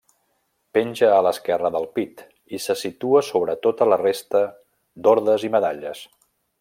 Penja a l'esquerra del pit, i se situa sobre tota la resta d'ordes i medalles.